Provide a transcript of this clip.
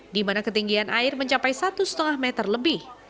dimana ketinggian air mencapai satu lima meter lebih